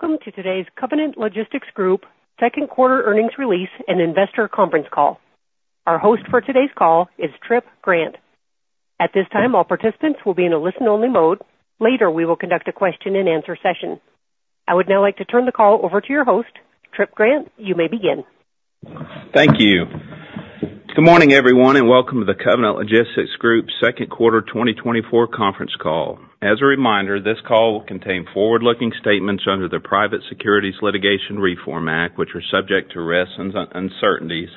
Welcome to today's Covenant Logistics Group Second Quarter Earnings Release and Investor Conference Call. Our host for today's call is Tripp Grant. At this time, all participants will be in a listen-only mode. Later, we will conduct a question-and-answer session. I would now like to turn the call over to your host, Tripp Grant. You may begin. Thank you. Good morning, everyone, and welcome to the Covenant Logistics Group Second Quarter 2024 Conference Call. As a reminder, this call will contain forward-looking statements under the Private Securities Litigation Reform Act, which are subject to risks and uncertainties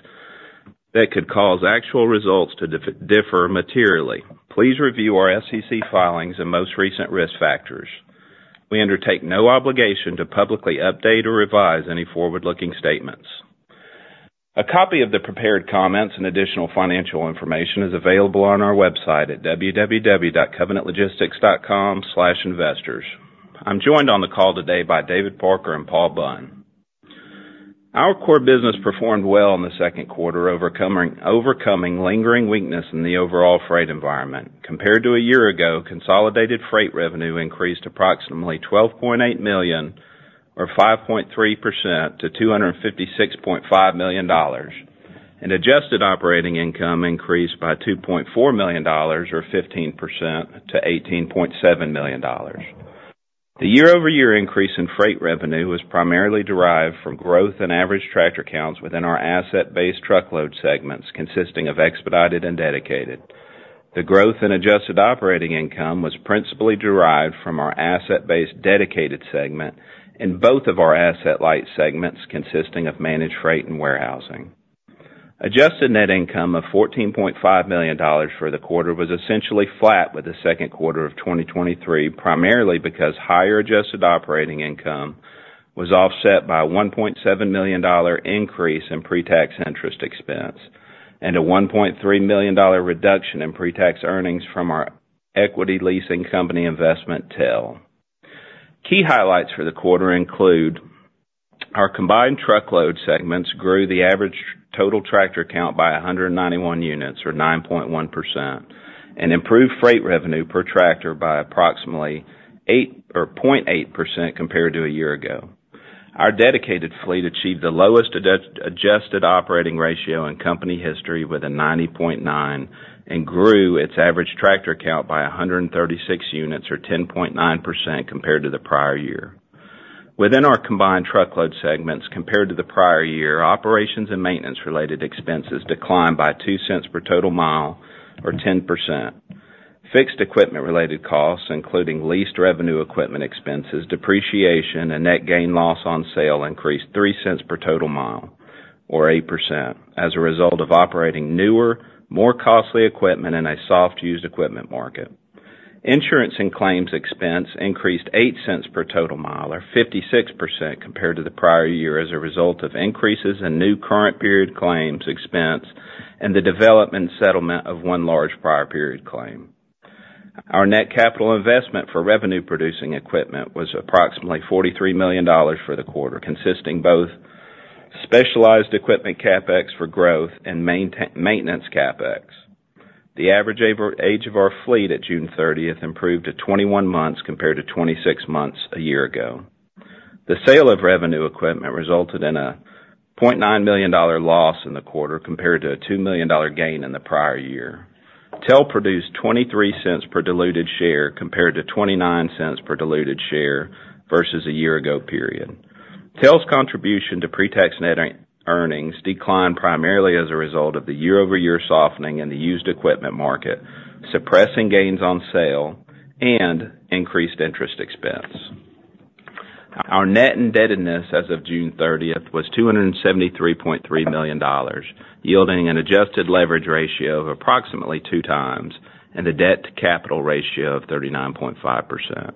that could cause actual results to differ materially. Please review our SEC filings and most recent risk factors. We undertake no obligation to publicly update or revise any forward-looking statements. A copy of the prepared comments and additional financial information is available on our website at www.covenantlogistics.com/investors. I'm joined on the call today by David Parker and Paul Bunn. Our core business performed well in the second quarter, overcoming lingering weakness in the overall freight environment. Compared to a year ago, consolidated freight revenue increased approximately $12.8 million, or 5.3%, to $256.5 million, and adjusted operating income increased by $2.4 million, or 15%, to $18.7 million. The year-over-year increase in freight revenue was primarily derived from growth in average tractor counts within our asset-based truckload segments, consisting of expedited and dedicated. The growth in adjusted operating income was principally derived from our asset-based dedicated segment and both of our asset-light segments, consisting of managed freight and warehousing. Adjusted net income of $14.5 million for the quarter was essentially flat with the second quarter of 2023, primarily because higher adjusted operating income was offset by a $1.7 million increase in pre-tax interest expense and a $1.3 million reduction in pre-tax earnings from our equity leasing company investment, TEL. Key highlights for the quarter include our combined truckload segments grew the average total tractor count by 191 units, or 9.1%, and improved freight revenue per tractor by approximately 0.8% compared to a year ago. Our dedicated fleet achieved the lowest adjusted operating ratio in company history with a 90.9% and grew its average tractor count by 136 units, or 10.9%, compared to the prior year. Within our combined truckload segments, compared to the prior year, operations and maintenance-related expenses declined by $0.02 per total mile, or 10%. Fixed equipment-related costs, including leased revenue equipment expenses, depreciation, and net gain loss on sale, increased $0.03 per total mile, or 8%, as a result of operating newer, more costly equipment in a soft-used equipment market. Insurance and claims expense increased $0.08 per total mile, or 56%, compared to the prior year as a result of increases in new current-period claims expense and the development settlement of one large prior-period claim. Our net capital investment for revenue-producing equipment was approximately $43 million for the quarter, consisting both of specialized equipment CapEx for growth and maintenance CapEx. The average age of our fleet at June 30 improved to 21 months compared to 26 months a year ago. The sale of revenue equipment resulted in a $0.9 million loss in the quarter compared to a $2 million gain in the prior year. TEL produced 23 cents per diluted share compared to 29 cents per diluted share versus a year-ago period. TEL's contribution to pre-tax net earnings declined primarily as a result of the year-over-year softening in the used equipment market, suppressing gains on sale and increased interest expense. Our net indebtedness as of June 30th was $273.3 million, yielding an adjusted leverage ratio of approximately 2x and a debt-to-capital ratio of 39.5%.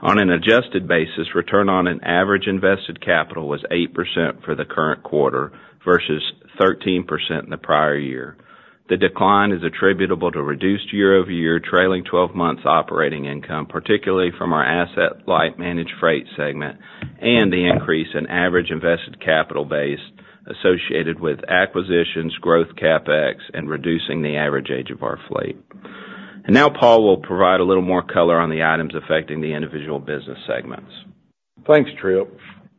On an adjusted basis, return on average invested capital was 8% for the current quarter versus 13% in the prior year. The decline is attributable to reduced year-over-year trailing 12 months operating income, particularly from our asset-light Managed Freight segment, and the increase in average invested capital base associated with acquisitions, growth CapEx, and reducing the average age of our fleet. Now Paul will provide a little more color on the items affecting the individual business segments. Thanks, Tripp.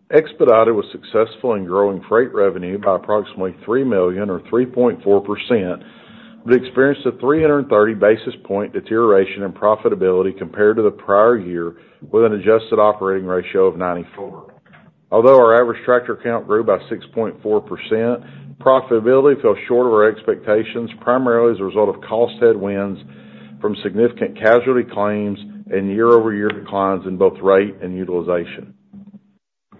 Expedited was successful in growing freight revenue by approximately $3 million, or 3.4%, but experienced a 330 basis point deterioration in profitability compared to the prior year with an adjusted operating ratio of 94%. Although our average tractor count grew by 6.4%, profitability fell short of our expectations, primarily as a result of cost headwinds from significant casualty claims and year-over-year declines in both rate and utilization.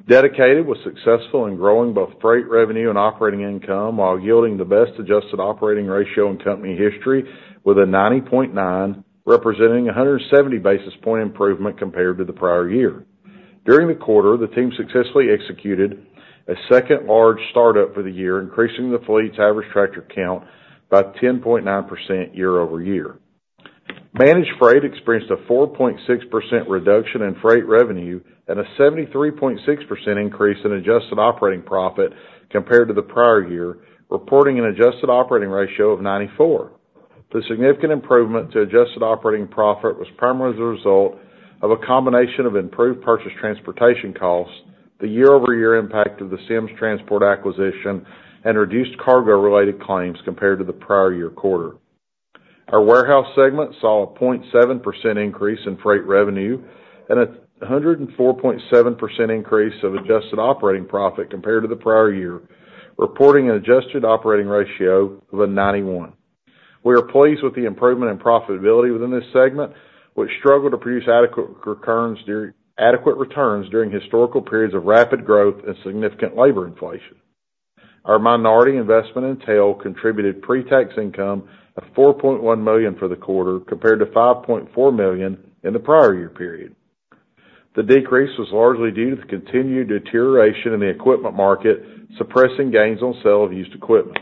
Dedicated was successful in growing both freight revenue and operating income while yielding the best adjusted operating ratio in company history, with a 90.9%, representing a 170 basis point improvement compared to the prior year. During the quarter, the team successfully executed a second large startup for the year, increasing the fleet's average tractor count by 10.9% year-over-year. Managed Freight experienced a 4.6% reduction in freight revenue and a 73.6% increase in adjusted operating profit compared to the prior year, reporting an adjusted operating ratio of 94%. The significant improvement to adjusted operating profit was primarily the result of a combination of improved purchase transportation costs, the year-over-year impact of the Sims Transport acquisition, and reduced cargo-related claims compared to the prior year quarter. Our Warehousing segment saw a 0.7% increase in freight revenue and a 104.7% increase of adjusted operating profit compared to the prior year, reporting an adjusted operating ratio of 91%. We are pleased with the improvement in profitability within this segment, which struggled to produce adequate returns during historical periods of rapid growth and significant labor inflation. Our minority investment in TEL contributed pre-tax income of $4.1 million for the quarter compared to $5.4 million in the prior year period. The decrease was largely due to the continued deterioration in the equipment market, suppressing gains on sale of used equipment.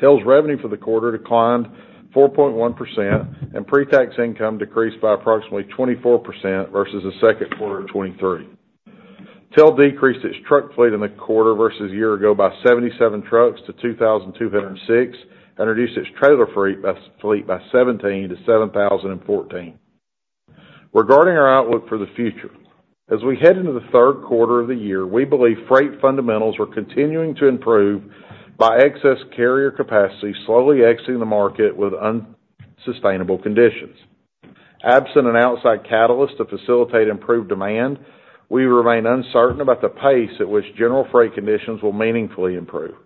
TEL's revenue for the quarter declined 4.1%, and pre-tax income decreased by approximately 24% versus the second quarter of 2023. TEL decreased its truck fleet in the quarter versus a year ago by 77 trucks to 2,206 and reduced its trailer fleet by 177 to 7,014. Regarding our outlook for the future, as we head into the third quarter of the year, we believe freight fundamentals are continuing to improve by excess carrier capacity slowly exiting the market with unsustainable conditions. Absent an outside catalyst to facilitate improved demand, we remain uncertain about the pace at which general freight conditions will meaningfully improve.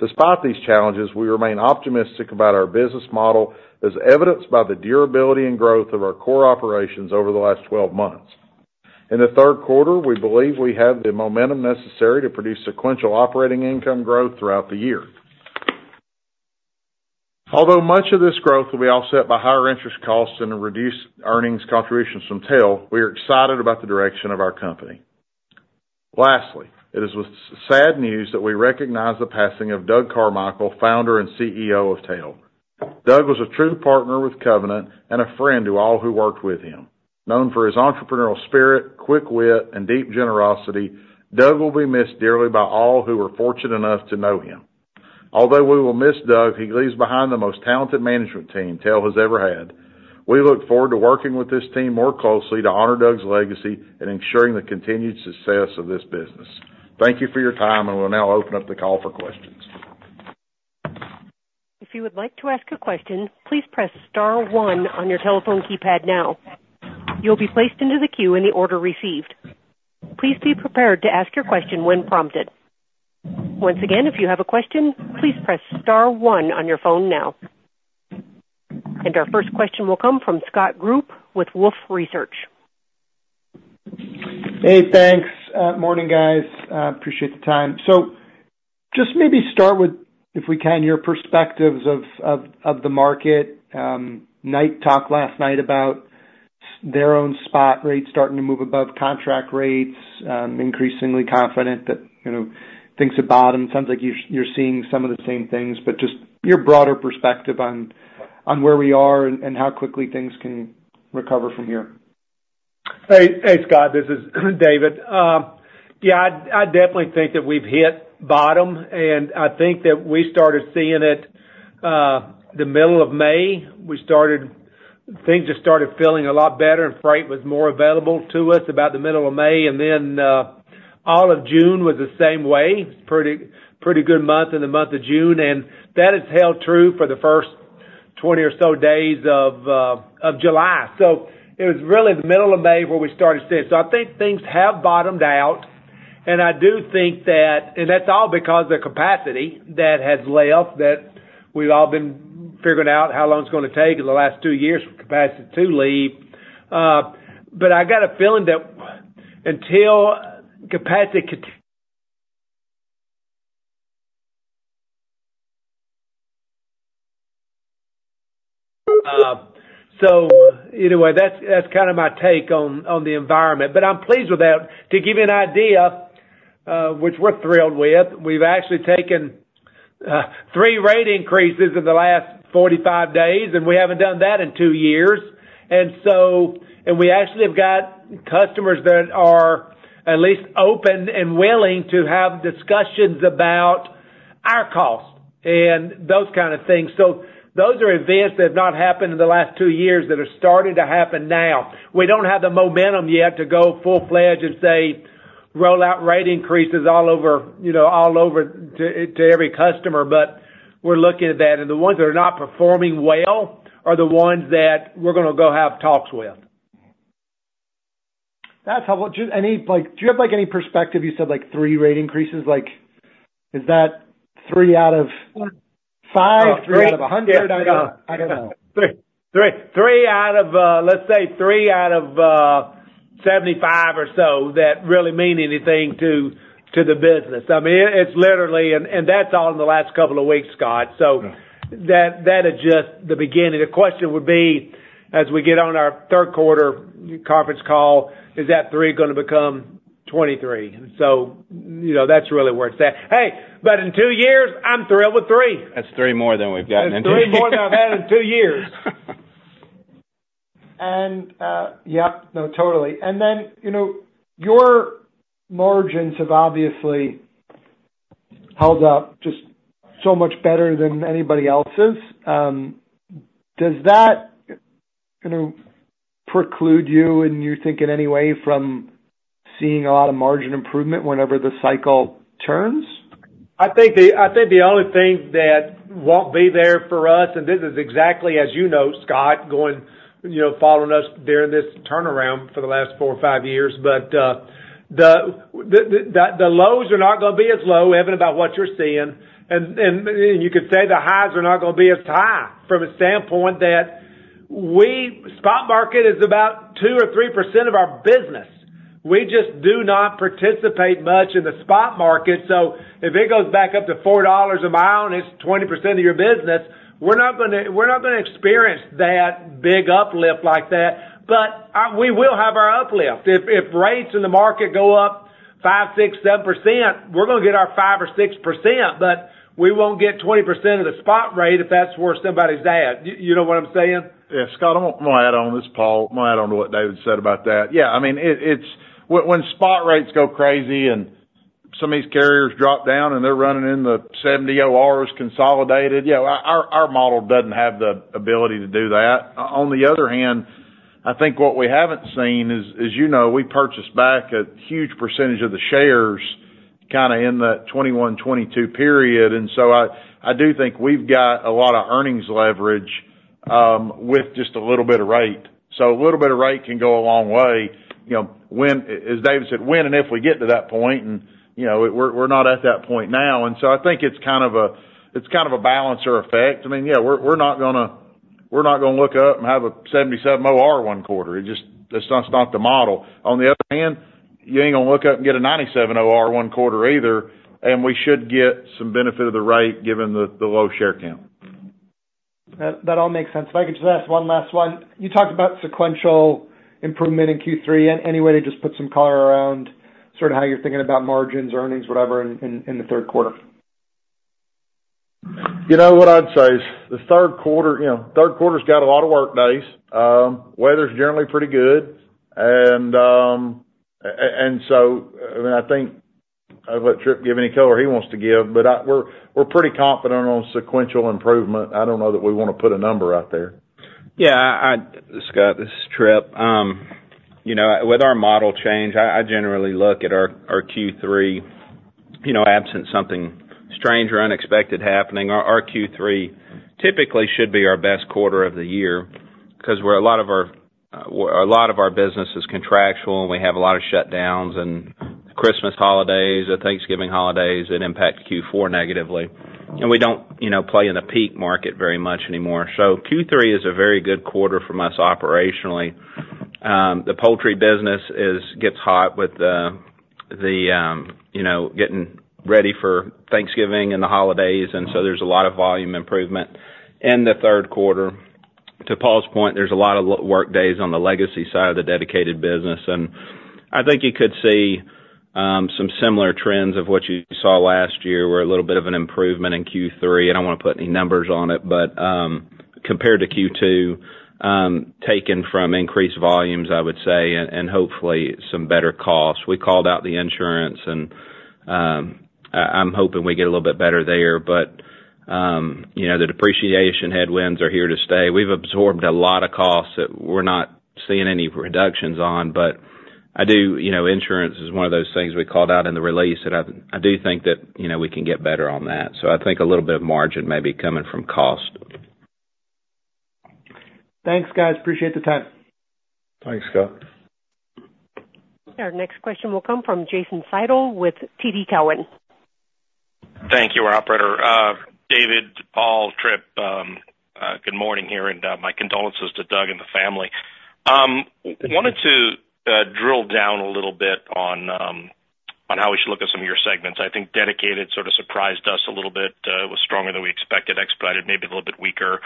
Despite these challenges, we remain optimistic about our business model, as evidenced by the durability and growth of our core operations over the last 12 months. In the third quarter, we believe we have the momentum necessary to produce sequential operating income growth throughout the year. Although much of this growth will be offset by higher interest costs and reduced earnings contributions from TEL, we are excited about the direction of our company. Lastly, it is with sad news that we recognize the passing of Doug Carmichael, founder and CEO of TEL. Doug was a true partner with Covenant and a friend to all who worked with him. Known for his entrepreneurial spirit, quick wit, and deep generosity, Doug will be missed dearly by all who were fortunate enough to know him. Although we will miss Doug, he leaves behind the most talented management team TEL has ever had. We look forward to working with this team more closely to honor Doug's legacy and ensuring the continued success of this business. Thank you for your time, and we'll now open up the call for questions. If you would like to ask a question, please press Star 1 on your telephone keypad now. You'll be placed into the queue in the order received. Please be prepared to ask your question when prompted. Once again, if you have a question, please press Star 1 on your phone now. And our first question will come from Scott Group with Wolfe Research. Hey, thanks. Morning, guys. Appreciate the time. So just maybe start with, if we can, your perspectives of the market. Knight talk last night about their own spot rates starting to move above contract rates, increasingly confident that things have bottomed. It sounds like you're seeing some of the same things, but just your broader perspective on where we are and how quickly things can recover from here. Hey, Scott. This is David. Yeah, I definitely think that we've hit bottom, and I think that we started seeing it the middle of May. Things just started feeling a lot better, and freight was more available to us about the middle of May. And then all of June was the same way. It's a pretty good month in the month of June, and that has held true for the first 20 or so days of July. So it was really the middle of May where we started seeing it. So I think things have bottomed out, and I do think that—and that's all because of the capacity that has left that we've all been figuring out how long it's going to take in the last 2 years for capacity to leave. But I got a feeling that until capacity—so anyway, that's kind of my take on the environment. But I'm pleased with that. To give you an idea, which we're thrilled with, we've actually taken three rate increases in the last 45 days, and we haven't done that in 2 years. And we actually have got customers that are at least open and willing to have discussions about our cost and those kind of things. So those are events that have not happened in the last two years that are starting to happen now. We don't have the momentum yet to go full-fledged and say, "Roll out rate increases all over to every customer," but we're looking at that. And the ones that are not performing well are the ones that we're going to go have talks with. That's helpful. Do you have any perspective? You said three rate increases. Is that three out of five? Three out of a hundred? I don't know. Three out of, let's say, three out of 75 or so that really mean anything to the business. I mean, it's literally, and that's all in the last couple of weeks, Scott. So that is just the beginning. The question would be, as we get on our third quarter conference call, is that three going to become 23? So that's really where it's at. Hey, but in two years, I'm thrilled with three. That's three more than we've gotten in two years. That's three more than I've had in two years. Yeah, no, totally. Then your margins have obviously held up just so much better than anybody else's. Does that preclude you and you think in any way from seeing a lot of margin improvement whenever the cycle turns? I think the only thing that won't be there for us, and this is exactly as you know, Scott, following us during this turnaround for the last 4 or 5 years, but the lows are not going to be as low, even about what you're seeing. You could say the highs are not going to be as high from a standpoint that the spot market is about 2% or 3% of our business. We just do not participate much in the spot market. So if it goes back up to $4 a mile and it's 20% of your business, we're not going to experience that big uplift like that. But we will have our uplift. If rates in the market go up 5%, 6%, 7%, we're going to get our 5% or 6%, but we won't get 20% of the spot rate if that's where somebody's at. You know what I'm saying? Yeah, Scott, I'm going to add on this, Paul. I'm going to add on to what David said about that. Yeah, I mean, when spot rates go crazy and some of these carriers drop down and they're running in the 70 ORs consolidated, yeah, our model doesn't have the ability to do that. On the other hand, I think what we haven't seen is, as you know, we purchased back a huge percentage of the shares kind of in the 2021, 2022 period. So I do think we've got a lot of earnings leverage with just a little bit of rate. So a little bit of rate can go a long way. As David said, when and if we get to that point, and we're not at that point now. So I think it's kind of a balancer effect. I mean, yeah, we're not going to look up and have a 77 OR one quarter. It's not the model. On the other hand, you ain't going to look up and get a 97 OR one quarter either. And we should get some benefit of the rate given the low share count. That all makes sense. If I could just ask one last one. You talked about sequential improvement in Q3. Any way to just put some color around sort of how you're thinking about margins, earnings, whatever in the third quarter? You know what I'd say? The third quarter's got a lot of work days. Weather's generally pretty good. And so I mean, I think I'll let Tripp give any color he wants to give, but we're pretty confident on sequential improvement. I don't know that we want to put a number out there. Yeah, Scott, this is Tripp. With our model change, I generally look at our Q3 absent something strange or unexpected happening. Our Q3 typically should be our best quarter of the year because a lot of our business is contractual, and we have a lot of shutdowns and Christmas holidays, the Thanksgiving holidays. It impacts Q4 negatively. We don't play in the peak market very much anymore. Q3 is a very good quarter for us operationally. The poultry business gets hot with getting ready for Thanksgiving and the holidays. So there's a lot of volume improvement in the third quarter. To Paul's point, there's a lot of work days on the legacy side of the dedicated business. I think you could see some similar trends of what you saw last year where a little bit of an improvement in Q3. I don't want to put any numbers on it, but compared to Q2, taken from increased volumes, I would say, and hopefully some better costs. We called out the insurance, and I'm hoping we get a little bit better there. But the depreciation headwinds are here to stay. We've absorbed a lot of costs that we're not seeing any reductions on. But insurance is one of those things we called out in the release that I do think that we can get better on that. So I think a little bit of margin may be coming from cost. Thanks, guys. Appreciate the time. Thanks, Scott. Our next question will come from Jason Seidl with TD Cowen. Thank you, our operator. David, Paul, Tripp, good morning here, and my condolences to Doug and the family. Wanted to drill down a little bit on how we should look at some of your segments. I think Dedicated sort of surprised us a little bit. It was stronger than we expected. Expedited maybe a little bit weaker.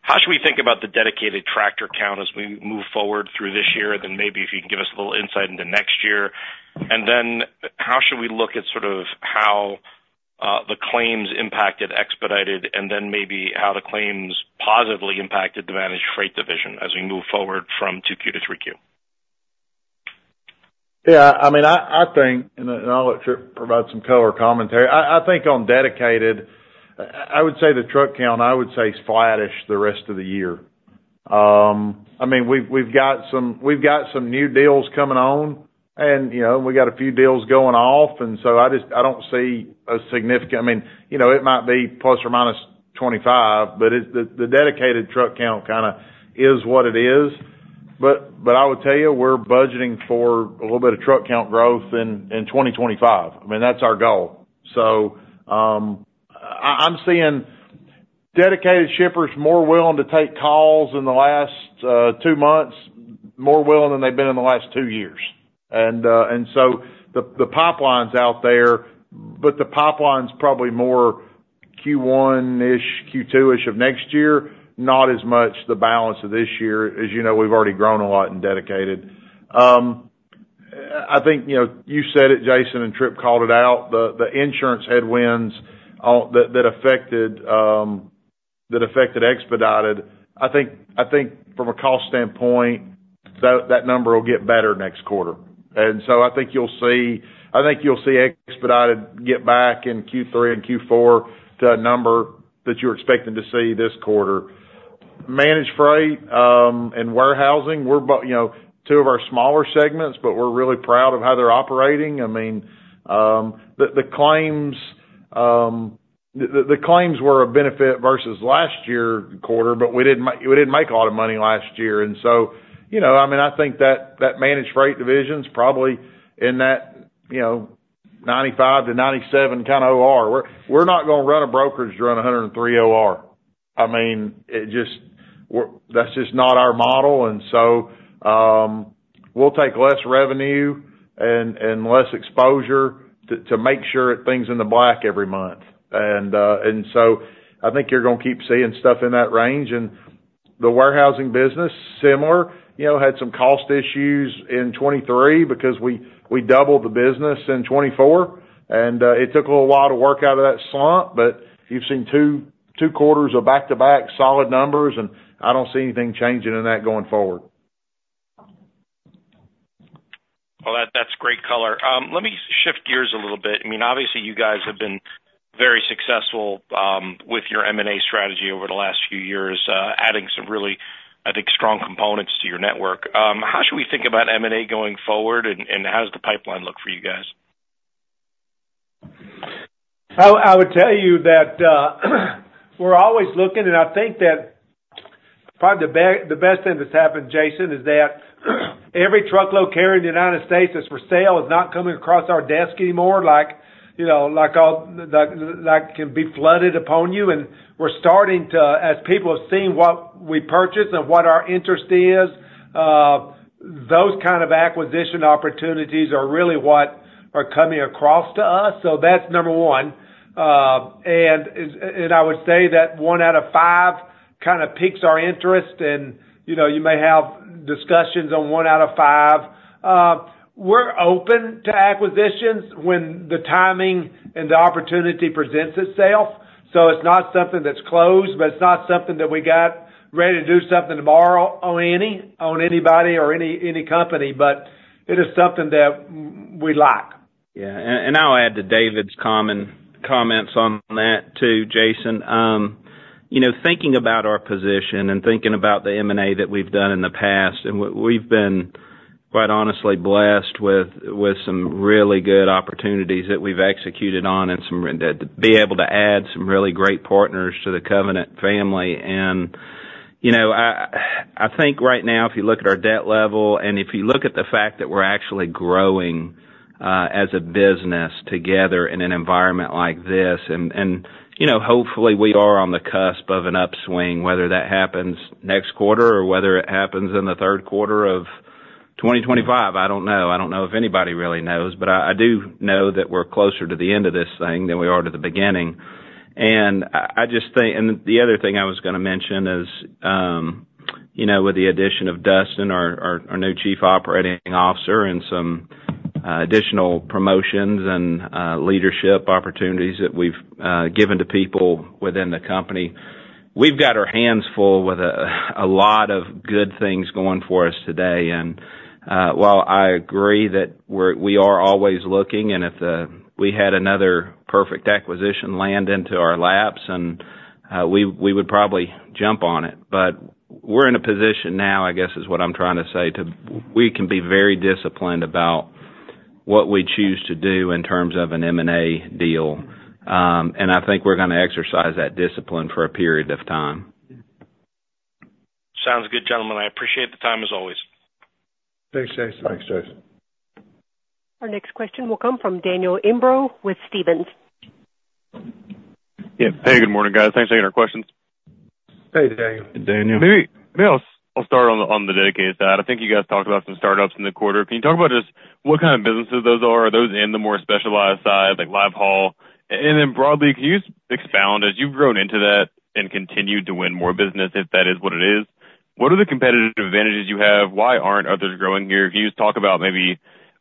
How should we think about the Dedicated tractor count as we move forward through this year? And then maybe if you can give us a little insight into next year. And then how should we look at sort of how the claims impacted Expedited, and then maybe how the claims positively impacted the Managed Freight division as we move forward from 2Q to 3Q? Yeah, I mean, I think, and I'll let Tripp provide some color commentary. I think on dedicated, I would say the truck count, I would say, is flattish the rest of the year. I mean, we've got some new deals coming on, and we got a few deals going off. And so I don't see a significant—I mean, it might be ±25, but the dedicated truck count kind of is what it is. But I would tell you, we're budgeting for a little bit of truck count growth in 2025. I mean, that's our goal. So I'm seeing dedicated shippers more willing to take calls in the last two months, more willing than they've been in the last two years. And so the pipeline's out there, but the pipeline's probably more Q1-ish, Q2-ish of next year, not as much the balance of this year. As you know, we've already grown a lot in Dedicated. I think you said it, Jason, and Tripp called it out, the insurance headwinds that affected Expedited. I think from a cost standpoint, that number will get better next quarter. And so I think you'll see, I think you'll see Expedited get back in Q3 and Q4 to a number that you're expecting to see this quarter. Managed Freight and Warehousing, two of our smaller segments, but we're really proud of how they're operating. I mean, the claims were a benefit versus last year's quarter, but we didn't make a lot of money last year. And so, I mean, I think that Managed Freight division's probably in that 95-97 kind of OR. We're not going to run a brokerage to run 103 OR. I mean, that's just not our model. And so we'll take less revenue and less exposure to make sure things are in the black every month. And so I think you're going to keep seeing stuff in that range. And the warehousing business, similar, had some cost issues in 2023 because we doubled the business in 2024. And it took a little while to work out of that slump, but you've seen two quarters of back-to-back solid numbers, and I don't see anything changing in that going forward. Well, that's great color. Let me shift gears a little bit. I mean, obviously, you guys have been very successful with your M&A strategy over the last few years, adding some really, I think, strong components to your network. How should we think about M&A going forward, and how does the pipeline look for you guys? I would tell you that we're always looking, and I think that probably the best thing that's happened, Jason, is that every truckload carrier in the United States that's for sale is not coming across our desk anymore. Like that can be flooded upon you. And we're starting to, as people have seen what we purchase and what our interest is, those kind of acquisition opportunities are really what are coming across to us. So that's number one. And I would say that 1 out of 5 kind of piques our interest, and you may have discussions on 1 out of 5. We're open to acquisitions when the timing and the opportunity presents itself. So it's not something that's closed, but it's not something that we got ready to do something tomorrow on anybody or any company, but it is something that we like. Yeah. I'll add to David's comments on that too, Jason. Thinking about our position and thinking about the M&A that we've done in the past, and we've been quite honestly blessed with some really good opportunities that we've executed on and to be able to add some really great partners to the Covenant family. I think right now, if you look at our debt level and if you look at the fact that we're actually growing as a business together in an environment like this, and hopefully we are on the cusp of an upswing, whether that happens next quarter or whether it happens in the third quarter of 2025, I don't know. I don't know if anybody really knows, but I do know that we're closer to the end of this thing than we are to the beginning. And I just think - and the other thing I was going to mention is with the addition of Dustin, our new Chief Operating Officer, and some additional promotions and leadership opportunities that we've given to people within the company, we've got our hands full with a lot of good things going for us today. And while I agree that we are always looking, and if we had another perfect acquisition land into our laps, we would probably jump on it. But we're in a position now, I guess, is what I'm trying to say, to we can be very disciplined about what we choose to do in terms of an M&A deal. And I think we're going to exercise that discipline for a period of time. Sounds good, gentlemen. I appreciate the time as always. Thanks, Jason. Thanks, Jason. Our next question will come from Daniel Imbro with Stephens. Yeah. Hey, good morning, guys. Thanks for taking our questions. Hey, Daniel. Hey, Daniel. I'll start on the dedicated side. I think you guys talked about some startups in the quarter. Can you talk about just what kind of businesses those are? Are those in the more specialized side, like live haul? And then broadly, can you expound as you've grown into that and continued to win more business, if that is what it is? What are the competitive advantages you have? Why aren't others growing here? Can you just talk about maybe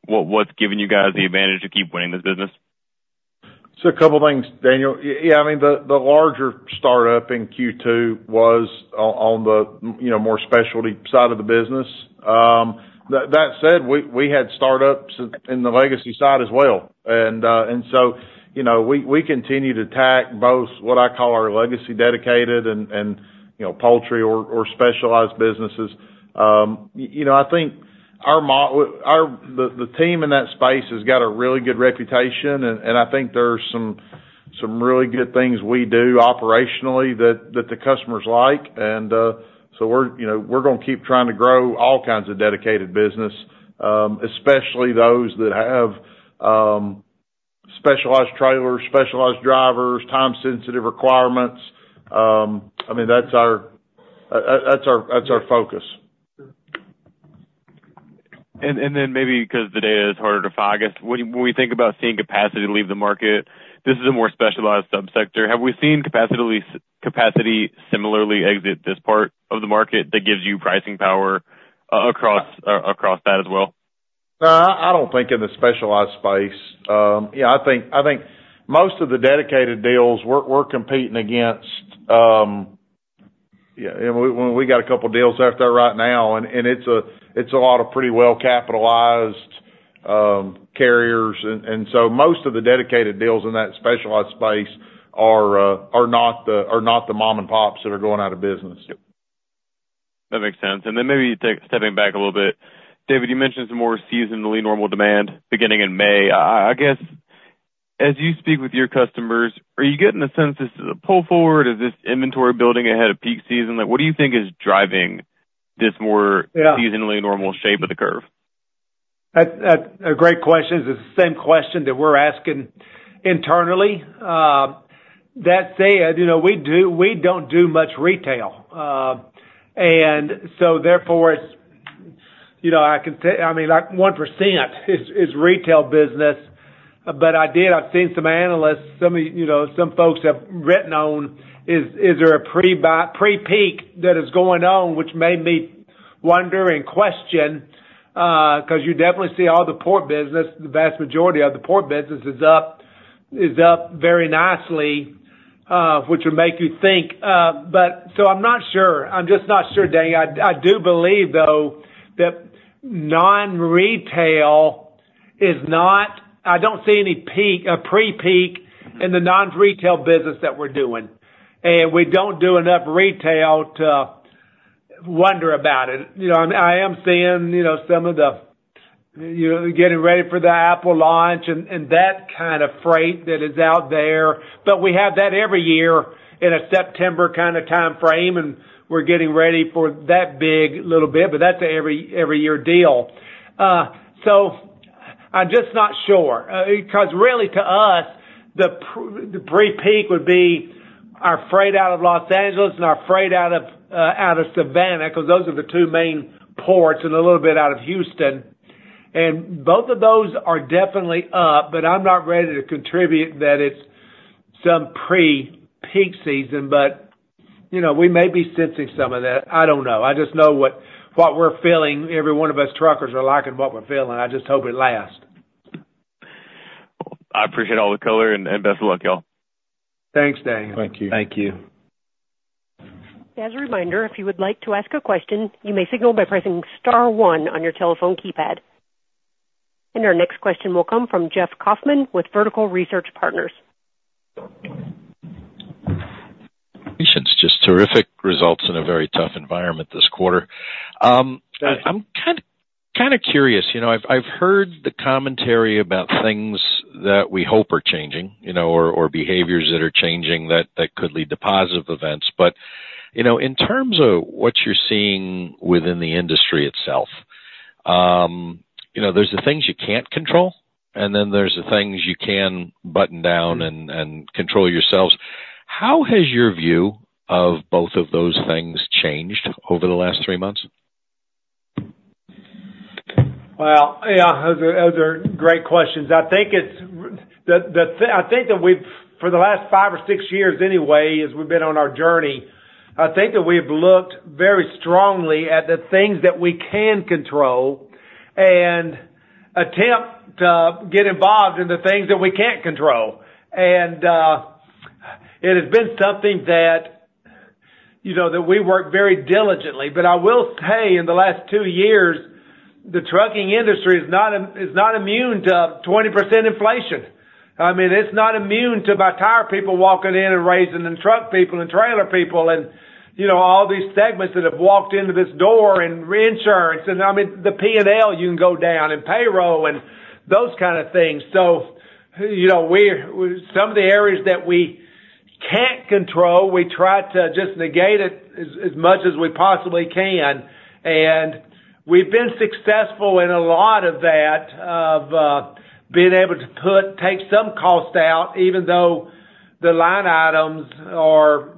what's giving you guys the advantage to keep winning this business? So a couple of things, Daniel. Yeah, I mean, the larger startup in Q2 was on the more specialty side of the business. That said, we had startups in the legacy side as well. And so we continue to track both what I call our legacy dedicated and poultry or specialized businesses. I think the team in that space has got a really good reputation, and I think there's some really good things we do operationally that the customers like. And so we're going to keep trying to grow all kinds of dedicated business, especially those that have specialized trailers, specialized drivers, time-sensitive requirements. I mean, that's our focus. And then maybe because the data is harder to find, I guess, when we think about seeing capacity leave the market, this is a more specialized subsector. Have we seen capacity similarly exit this part of the market that gives you pricing power across that as well? I don't think in the specialized space. Yeah, I think most of the dedicated deals, we're competing against, yeah, we got a couple of deals out there right now, and it's a lot of pretty well-capitalized carriers. And so most of the dedicated deals in that specialized space are not the mom-and-pops that are going out of business. That makes sense. Then maybe stepping back a little bit, David, you mentioned some more seasonally normal demand beginning in May. I guess, as you speak with your customers, are you getting a sense this is a pull forward? Is this inventory building ahead of peak season? What do you think is driving this more seasonally normal shape of the curve? That's a great question. It's the same question that we're asking internally. That said, we don't do much retail. And so therefore, I can say, I mean, 1% is retail business. But I've seen some analysts, some folks have written on, is there a pre-peak that is going on, which made me wonder and question because you definitely see all the port business, the vast majority of the port business is up very nicely, which would make you think. But so I'm not sure. I'm just not sure, Daniel. I do believe, though, that non-retail is not, I don't see any pre-peak in the non-retail business that we're doing. And we don't do enough retail to wonder about it. I am seeing some of the getting ready for the Apple launch and that kind of freight that is out there. But we have that every year in a September kind of time frame, and we're getting ready for that big little bit. But that's an every-year deal. So I'm just not sure because really, to us, the pre-peak would be our freight out of Los Angeles and our freight out of Savannah because those are the two main ports and a little bit out of Houston. And both of those are definitely up, but I'm not ready to attribute that it's some pre-peak season. But we may be sensing some of that. I don't know. I just know what we're feeling. Every one of us truckers are liking what we're feeling. I just hope it lasts. I appreciate all the color and best of luck, y'all. Thanks, Daniel. Thank you. Thank you. As a reminder, if you would like to ask a question, you may signal by pressing star one on your telephone keypad. Our next question will come from Jeff Kauffman with Vertical Research Partners. Patience. Just terrific results in a very tough environment this quarter. I'm kind of curious. I've heard the commentary about things that we hope are changing or behaviors that are changing that could lead to positive events. But in terms of what you're seeing within the industry itself, there's the things you can't control, and then there's the things you can button down and control yourselves. How has your view of both of those things changed over the last three months? Well, yeah, those are great questions. I think it's, I think that we've, for the last five or six years anyway, as we've been on our journey, I think that we've looked very strongly at the things that we can control and attempt to get involved in the things that we can't control. It has been something that we work very diligently. But I will say, in the last two years, the trucking industry is not immune to 20% inflation. I mean, it's not immune to my tire people walking in and raising and truck people and trailer people and all these segments that have walked in the door and reinsurance. I mean, the P&L you can go down and payroll and those kind of things. Some of the areas that we can't control, we try to just negate it as much as we possibly can. We've been successful in a lot of that, of being able to take some cost out, even though the line items are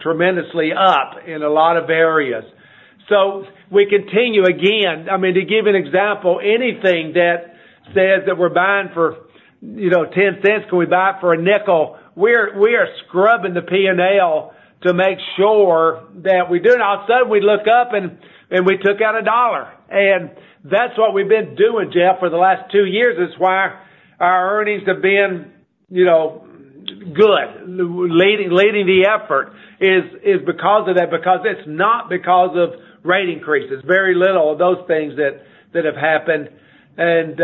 tremendously up in a lot of areas. We continue again. I mean, to give an example, anything that says that we're buying for $0.10, can we buy it for $0.05? We are scrubbing the P&L to make sure that we do. And all of a sudden, we look up and we took out $1. And that's what we've been doing, Jeff, for the last two years. It's why our earnings have been good. Leading the effort is because of that, because it's not because of rate increases. Very little of those things that have happened. And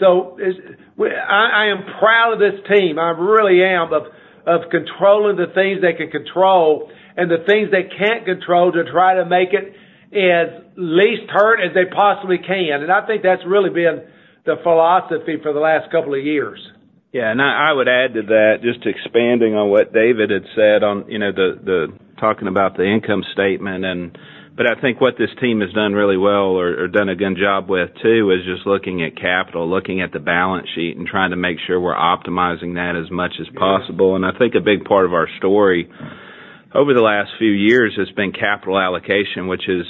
so I am proud of this team. I really am of controlling the things they can control and the things they can't control to try to make it as least hurt as they possibly can. I think that's really been the philosophy for the last couple of years. Yeah. And I would add to that, just expanding on what David had said on talking about the income statement. But I think what this team has done really well or done a good job with too is just looking at capital, looking at the balance sheet, and trying to make sure we're optimizing that as much as possible. And I think a big part of our story over the last few years has been capital allocation, which is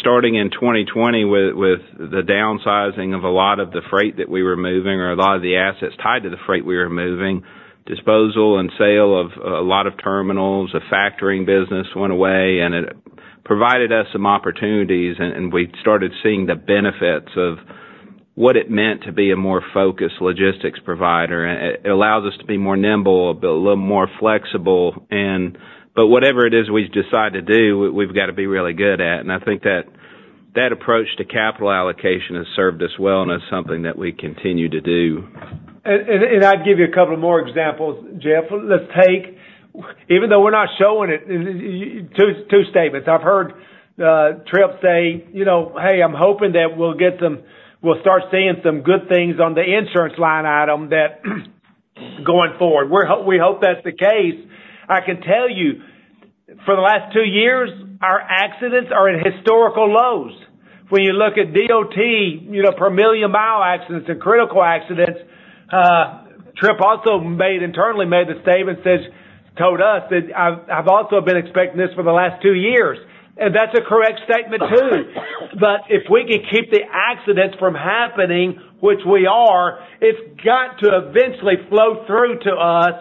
starting in 2020 with the downsizing of a lot of the freight that we were moving or a lot of the assets tied to the freight we were moving, disposal and sale of a lot of terminals. The factoring business went away, and it provided us some opportunities, and we started seeing the benefits of what it meant to be a more focused logistics provider. It allows us to be more nimble, a little more flexible. Whatever it is we've decided to do, we've got to be really good at. I think that approach to capital allocation has served us well and is something that we continue to do. I'd give you a couple more examples, Jeff. Even though we're not showing it, two statements. I've heard Tripp say, "Hey, I'm hoping that we'll start seeing some good things on the insurance line item going forward." We hope that's the case. I can tell you, for the last two years, our accidents are at historical lows. When you look at DOT per million-mile accidents and critical accidents, Tripp also internally made the statement, told us that, "I've also been expecting this for the last two years." And that's a correct statement too. But if we can keep the accidents from happening, which we are, it's got to eventually flow through to us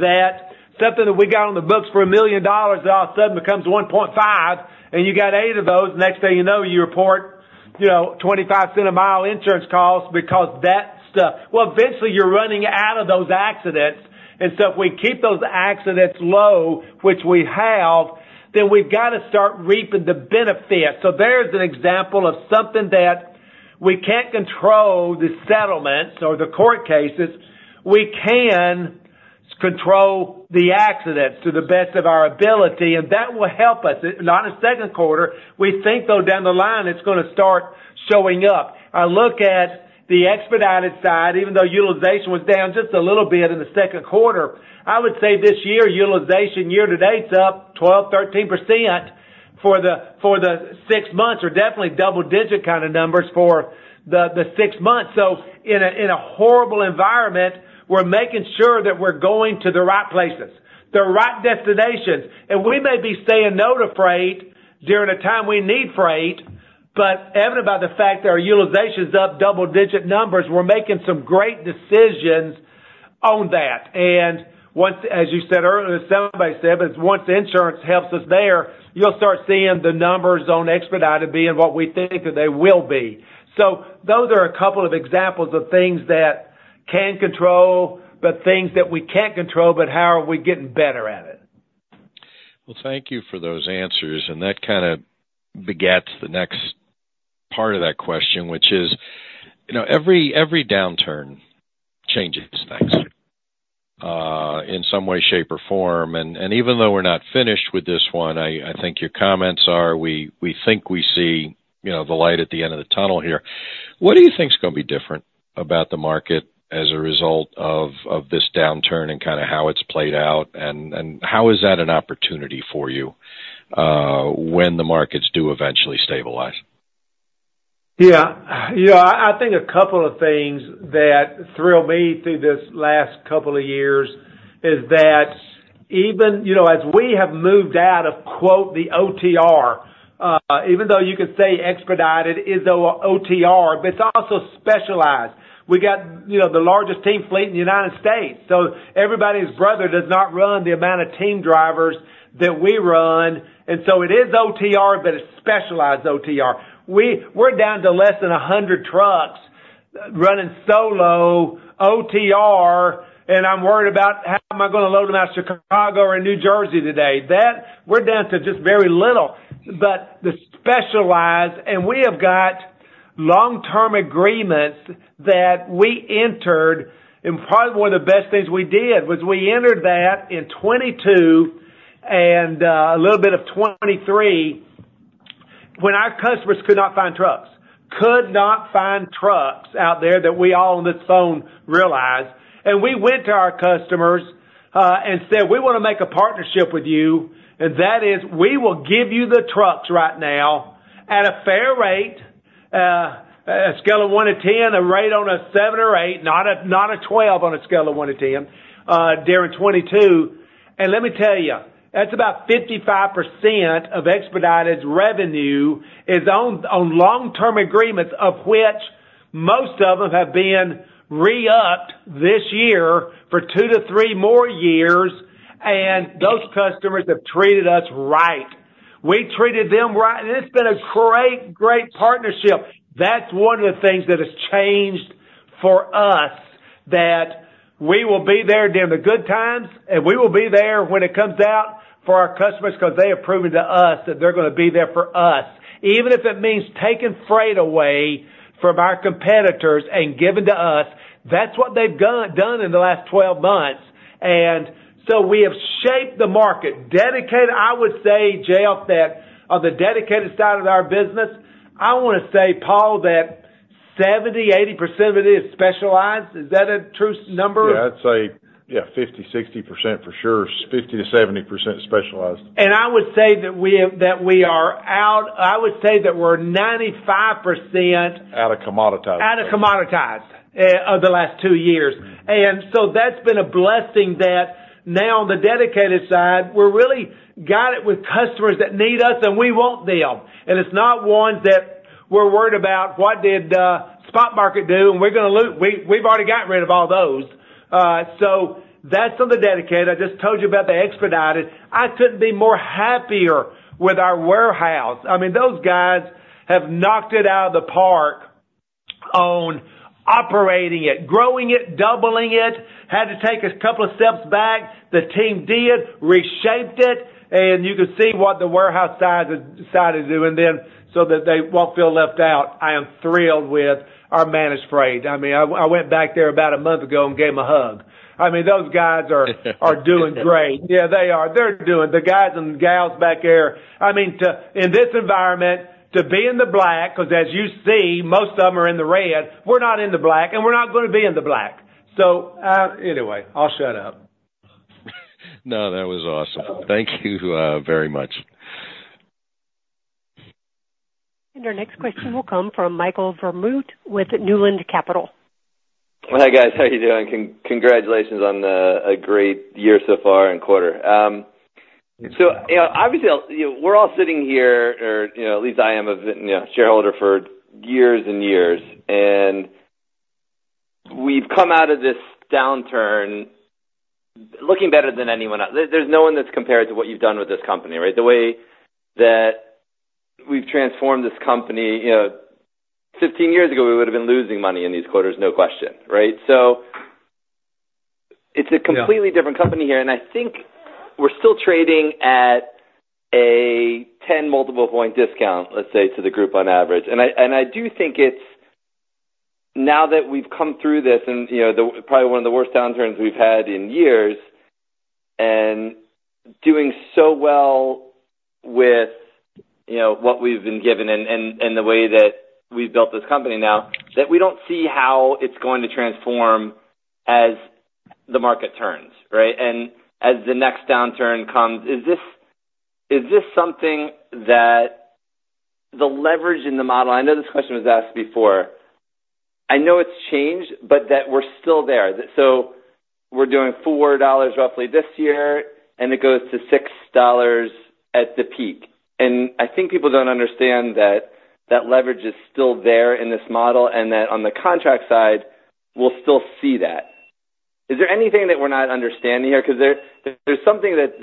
that something that we got on the books for $1 million that all of a sudden becomes $1.5 million, and you got 8 of those, next thing you know, you report $0.25-a-mile insurance costs because that stuff. Well, eventually, you're running out of those accidents. And so if we keep those accidents low, which we have, then we've got to start reaping the benefits. So there's an example of something that we can't control the settlements or the court cases. We can control the accidents to the best of our ability, and that will help us. Not in the second quarter. We think, though, down the line, it's going to start showing up. I look at the expedited side, even though utilization was down just a little bit in the second quarter. I would say this year, utilization year-to-date's up 12%-13% for the six months or definitely double-digit kind of numbers for the six months. So in a horrible environment, we're making sure that we're going to the right places, the right destinations. And we may be saying no to freight during a time we need freight, but evident by the fact that our utilization's up double-digit numbers, we're making some great decisions on that. And as you said earlier, somebody said, "But once insurance helps us there, you'll start seeing the numbers on expedited being what we think that they will be." So those are a couple of examples of things that can control, but things that we can't control, but how are we getting better at it? Well, thank you for those answers. And that kind of begets the next part of that question, which is every downturn changes things in some way, shape, or form. And even though we're not finished with this one, I think your comments are, we think we see the light at the end of the tunnel here. What do you think's going to be different about the market as a result of this downturn and kind of how it's played out? And how is that an opportunity for you when the markets do eventually stabilize? Yeah. I think a couple of things that thrill me through this last couple of years is that even as we have moved out of, quote, the OTR, even though you could say expedited is OTR, but it's also specialized. We got the largest team fleet in the United States. So everybody's brother does not run the amount of team drivers that we run. And so it is OTR, but it's specialized OTR. We're down to less than 100 trucks running solo OTR, and I'm worried about how am I going to load them out of Chicago or New Jersey today. We're down to just very little. But the specialized, and we have got long-term agreements that we entered, and probably one of the best things we did was we entered that in 2022 and a little bit of 2023 when our customers could not find trucks, could not find trucks out there that we all on this phone realized. And we went to our customers and said, "We want to make a partnership with you." And that is, "We will give you the trucks right now at a fair rate, a scale of 1 to 10, a rate on a 7 or 8, not a 12 on a scale of 1 to 10 during 2022." And let me tell you, that's about 55% of expedited revenue is on long-term agreements, of which most of them have been re-upped this year for two to three more years. And those customers have treated us right. We treated them right. It's been a great, great partnership. That's one of the things that has changed for us, that we will be there during the good times, and we will be there when it comes out for our customers because they have proven to us that they're going to be there for us. Even if it means taking freight away from our competitors and giving to us, that's what they've done in the last 12 months. We have shaped the market. I would say, Jeff, that on the dedicated side of our business, I want to say, Paul, that 70%-80% of it is specialized. Is that a true number? Yeah. I'd say, yeah, 50%-60% for sure. 50%-70% specialized. And I would say that we're 95%. Out of commoditized. Out of commoditized of the last two years. So that's been a blessing that now on the dedicated side, we've really got it with customers that need us, and we want them. It's not ones that we're worried about, "What did spot market do?" and we're going to lose. We've already gotten rid of all those. So that's on the dedicated. I just told you about the expedited. I couldn't be more happier with our warehouse. I mean, those guys have knocked it out of the park on operating it, growing it, doubling it. Had to take a couple of steps back. The team did, reshaped it. You can see what the warehouse side has done so that they won't feel left out. I am thrilled with our managed freight. I mean, I went back there about a month ago and gave them a hug. I mean, those guys are doing great. Yeah, they are. They're doing the guys and gals back there. I mean, in this environment, to be in the black, because as you see, most of them are in the red, we're not in the black, and we're not going to be in the black. So anyway, I'll shut up. No, that was awesome. Thank you very much. Our next question will come from Michael Vermut with Newland Capital. Well, hey, guys. How are you doing? Congratulations on a great year so far and quarter. Obviously, we're all sitting here, or at least I am a shareholder for years and years. We've come out of this downturn looking better than anyone else. There's no one that's compared to what you've done with this company, right? The way that we've transformed this company, 15 years ago, we would have been losing money in these quarters, no question, right? It's a completely different company here. I think we're still trading at a 10 multiple point discount, let's say, to the group on average. And I do think it's now that we've come through this and probably one of the worst downturns we've had in years and doing so well with what we've been given and the way that we've built this company now that we don't see how it's going to transform as the market turns, right? And as the next downturn comes, is this something that the leverage in the model, I know this question was asked before, I know it's changed, but that we're still there. So we're doing $4 roughly this year, and it goes to $6 at the peak. And I think people don't understand that that leverage is still there in this model and that on the contract side, we'll still see that. Is there anything that we're not understanding here? Because there's something that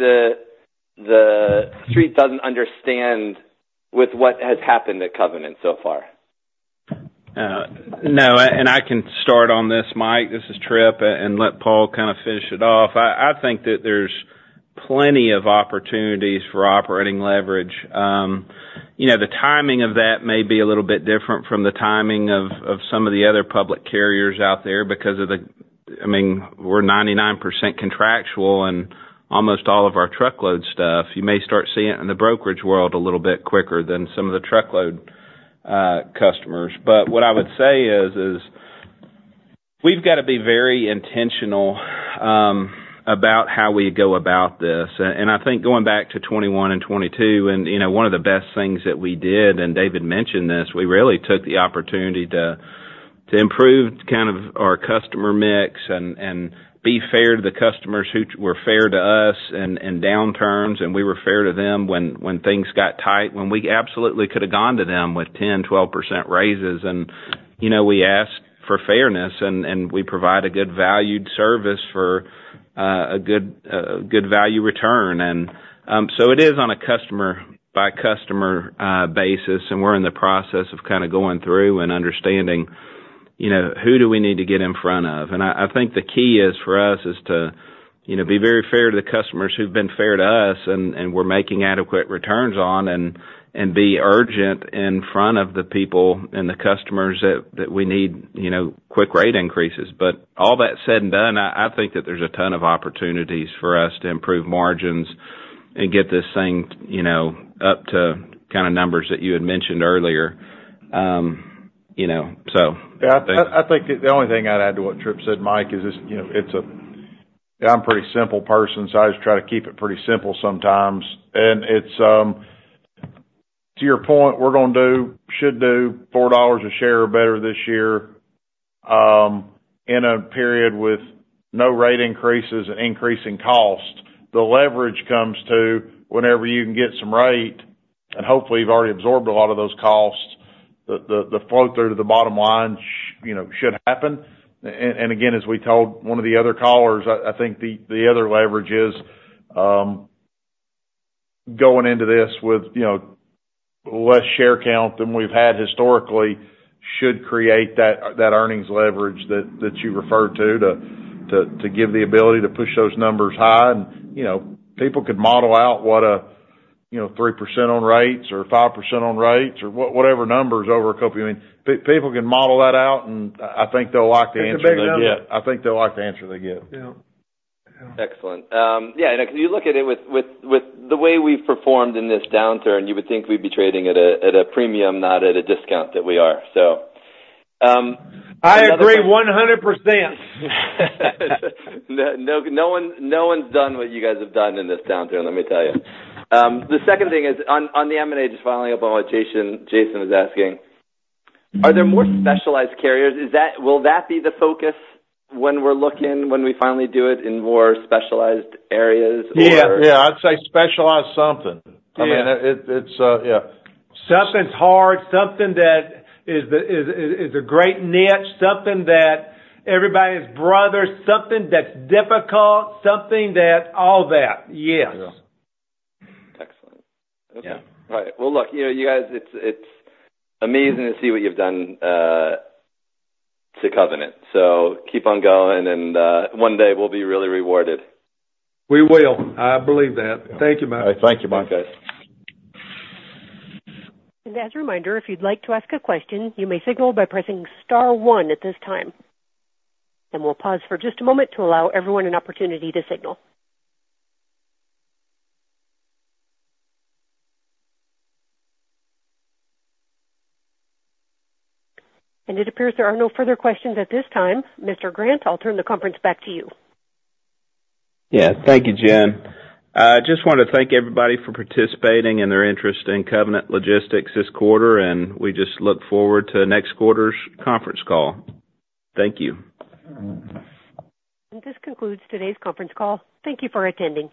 the street doesn't understand with what has happened at Covenant so far. No. And I can start on this, Mike. This is Tripp, and let Paul kind of finish it off. I think that there's plenty of opportunities for operating leverage. The timing of that may be a little bit different from the timing of some of the other public carriers out there because of the, I mean, we're 99% contractual in almost all of our truckload stuff. You may start seeing it in the brokerage world a little bit quicker than some of the truckload customers. But what I would say is we've got to be very intentional about how we go about this. I think going back to 2021 and 2022, and one of the best things that we did, and David mentioned this, we really took the opportunity to improve kind of our customer mix and be fair to the customers who were fair to us in downturns, and we were fair to them when things got tight, when we absolutely could have gone to them with 10%-12% raises. We ask for fairness, and we provide a good valued service for a good value return. So it is on a customer-by-customer basis, and we're in the process of kind of going through and understanding who do we need to get in front of. I think the key is for us is to be very fair to the customers who've been fair to us and we're making adequate returns on and be urgent in front of the people and the customers that we need quick rate increases. But all that said and done, I think that there's a ton of opportunities for us to improve margins and get this thing up to kind of numbers that you had mentioned earlier, so. Yeah. I think the only thing I'd add to what Tripp said, Mike, is it's—I'm a pretty simple person, so I just try to keep it pretty simple sometimes. And to your point, we're going to do, should do $4 a share better this year in a period with no rate increases and increasing costs. The leverage comes to whenever you can get some rate, and hopefully, you've already absorbed a lot of those costs. The flow through to the bottom line should happen. And again, as we told one of the other callers, I think the other leverage is going into this with less share count than we've had historically should create that earnings leverage that you referred to to give the ability to push those numbers high. People could model out what a 3% on rates or 5% on rates or whatever numbers over a couple of—I mean, people can model that out, and I think they'll like the answer they get. I think they'll like the answer they get. Yeah. Excellent. Yeah. And if you look at it with the way we've performed in this downturn, you would think we'd be trading at a premium, not at a discount that we are, so. I agree 100%. No one's done what you guys have done in this downturn, let me tell you. The second thing is on the M&A, just following up on what Jason was asking. Are there more specialized carriers? Will that be the focus when we're looking, when we finally do it in more specialized areas, or? Yeah. Yeah. I'd say specialize something. I mean, it's, yeah. Something's hard, something that is a great niche, something that everybody's brother, something that's difficult, something that all that. Yes. Excellent. Okay. All right. Well, look, you guys, it's amazing to see what you've done to Covenant. So keep on going, and one day we'll be really rewarded. We will. I believe that. Thank you, Mike. All right. Thank you, Mike. Thanks, guys. As a reminder, if you'd like to ask a question, you may signal by pressing star one at this time. We'll pause for just a moment to allow everyone an opportunity to signal. It appears there are no further questions at this time. Mr. Grant, I'll turn the conference back to you. Yeah. Thank you, Jim. I just wanted to thank everybody for participating and their interest in Covenant Logistics this quarter, and we just look forward to next quarter's conference call. Thank you. This concludes today's conference call. Thank you for attending.